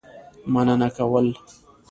مننه کول.